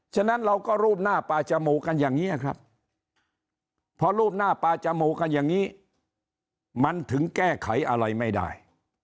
ฉะนั้นเราก็รูปหน้าปลาจมูกกันอย่างนี้ครับพอรูปหน้าปลาจมูกกันอย่างนี้มันถึงแก้ไขอะไรไม่ได้